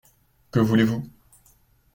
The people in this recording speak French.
Que voulez-vous ?